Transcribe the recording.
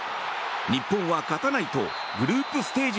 日本は勝たないとグループステージ